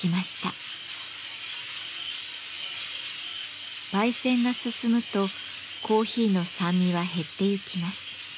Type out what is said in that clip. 焙煎が進むとコーヒーの酸味は減ってゆきます。